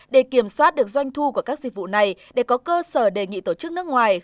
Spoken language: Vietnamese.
để kiểm soát được doanh thu của các dịch vụ này để có cơ sở đề nghị tổ chức nước ngoài